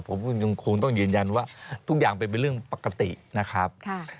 ผมยังคงต้องยืนยันว่าทุกอย่างเป็นเรื่องปกตินะครับ